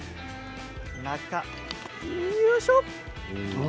中、よいしょ。